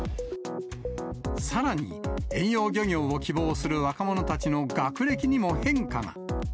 さらに遠洋漁業を希望する若者たちの学歴にも変化が。